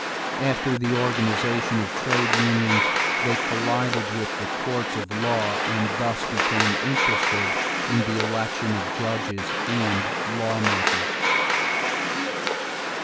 After the organization of trade unions they collided with the courts of law and thus became interested in the election of judges and lawmakers.